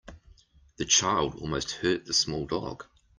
The child almost hurt the small dog.